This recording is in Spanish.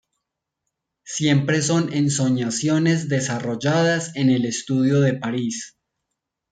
Siempre son ensoñaciones desarrolladas en el estudio de París.